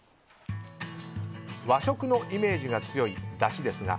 和食のイメージが強いだしですが